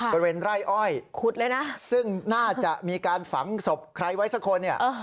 บริเวณไร่อ้อยขุดเลยนะซึ่งน่าจะมีการฝังศพใครไว้สักคนเนี่ย